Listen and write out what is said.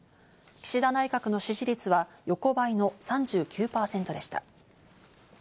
岸田内閣の支持率は横ばいの３９％でした。